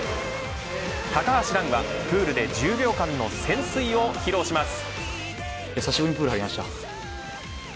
高橋藍はプールで１０秒間の潜水を披露します。